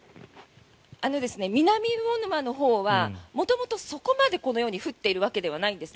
南魚沼のほうは元々そこまでこのように降っているわけではないんです。